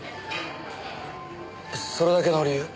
それだけの理由？